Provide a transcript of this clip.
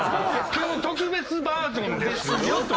今日特別バージョンですよと。